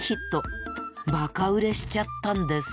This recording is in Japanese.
バカ売れしちゃったんです。